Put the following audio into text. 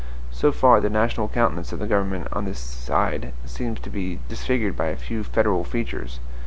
So far the national countenance of the government on this side seems to be disfigured by a few federal features.